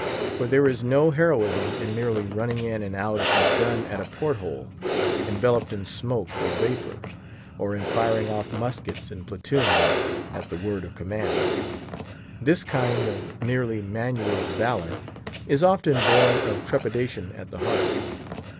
For there is no heroism in merely running in and out a gun at a port hole, enveloped in smoke or vapour, or in firing off muskets in platoons at the word of command. This kind of merely manual valour is often born of trepidation at the heart.